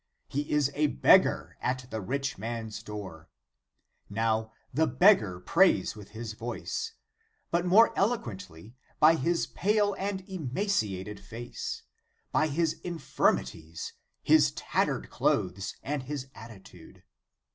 He is a beggar at the rich man s door. Now, the beggar prays with his voice, but more eloquently by his pale and emacia ted face, by his infirmities, his tattered clothes and his attitude.